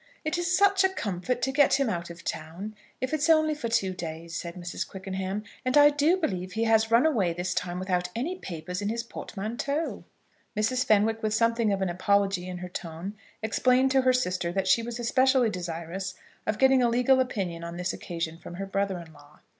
"It is such a comfort to get him out of town, if it's only for two days," said Mrs. Quickenham; "and I do believe he has run away this time without any papers in his portmanteau." Mrs. Fenwick, with something of apology in her tone, explained to her sister that she was especially desirous of getting a legal opinion on this occasion from her brother in law.